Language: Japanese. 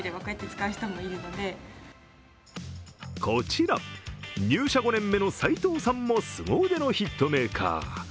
こちら入社５年目の齋藤さんもすご腕のヒットメーカー。